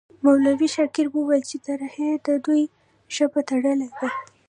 مولوي شاکر وویل چې ترهې د دوی ژبه تړلې ده.